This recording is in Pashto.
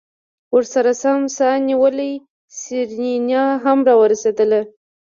ورسرہ سم سا نيولې سېرېنا هم راورسېدله.